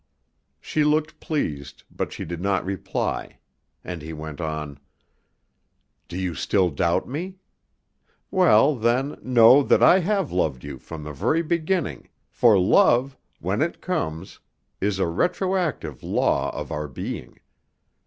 '" She looked pleased, but she did not reply, and he went on. "Do you still doubt me? Well, then, know that I have loved you from the very beginning, for love, when it comes, is a retroactive law of our being.